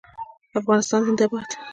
افغانستان زنده باد.